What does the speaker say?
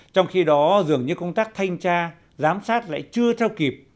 trong khi đó dường như công tác thanh tra giám sát lại chưa theo kịp